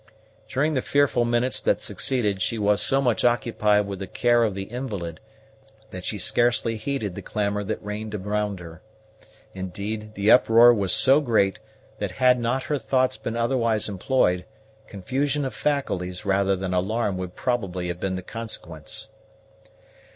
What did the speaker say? During the fearful minutes that succeeded, she was so much occupied with the care of the invalid that she scarcely heeded the clamor that reigned around her. Indeed, the uproar was so great, that, had not her thoughts been otherwise employed, confusion of faculties rather than alarm would probably have been the consequence.